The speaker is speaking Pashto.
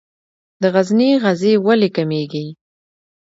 د غزني غزې ولې کمیږي؟